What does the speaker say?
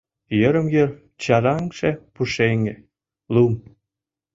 Йырым-йыр чараҥше пушеҥге, лум.